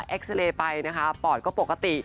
เอ็กซ์เรย์ไปปอดก็ปกติ